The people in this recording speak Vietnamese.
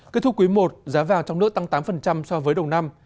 kết thúc quý i giá vàng trong nước tăng tám so với đầu năm